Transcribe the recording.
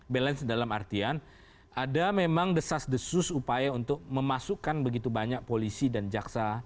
balance dalam artian ada memang desas desus upaya untuk memasukkan begitu banyak polisi dan jaksa